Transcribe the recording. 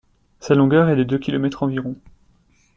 Sa longueur est de deux kilomètres environ.